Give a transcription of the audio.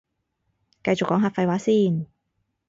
繼續講下廢話先